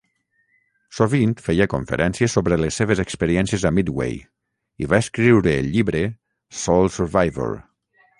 Sovint feia conferències sobre les seves experiències a Midway, i va escriure el llibre "Sole Survivor".